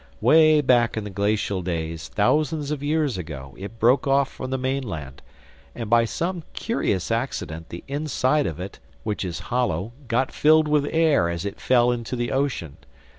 Way back in the glacial days, thousands of years ago, it broke off from the mainland; and by some curious accident the inside of it, which is hollow, got filled with air as it fell into the ocean.